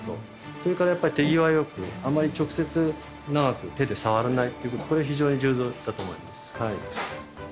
それからやっぱり手際良くあまり直接長く手で触らないってことこれ非常に重要だと思います。